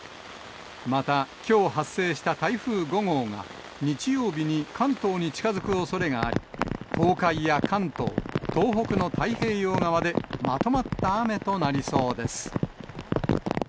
また、きょう発生した台風５号が、日曜日に関東に近づくおそれがあり、東海や関東、東北の太平洋側で、まとまった雨となりそうです。